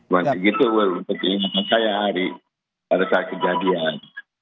masih begitu saya ingatkan saya hari pada saat kejadian